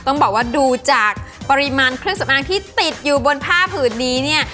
ต้องบอกว่าดูจากปริมาณเครื่องสำอางที่ติดอยู่บนผ้าผืดนี้เนี่ย